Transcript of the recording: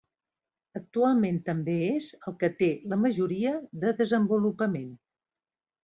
Actualment també és el que té la majoria de desenvolupament.